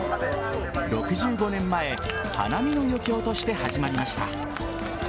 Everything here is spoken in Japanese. ６５年前花見の余興として始まりました。